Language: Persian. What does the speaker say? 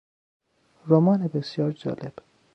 رمان بسیار جالب